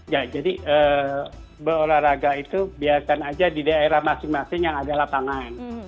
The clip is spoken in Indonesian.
ya jadi berolahraga itu biarkan aja di daerah masing masing yang ada lapangan